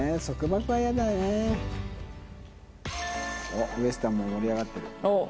おっウェスタンも盛り上がってる。